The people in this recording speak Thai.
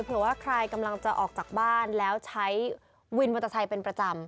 เผื่อว่าใครกำลังจะออกจากบ้านแล้วใช้วินมอเตอร์ไซค์เป็นประจำ